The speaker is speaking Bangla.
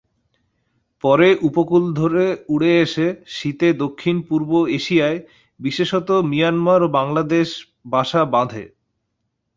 পরে উপকূল ধরে উড়ে এসে শীতে দক্ষিণ-পূর্ব এশিয়ায় বিশেষত মিয়ানমার ও বাংলাদেশ বাসা বাঁধে।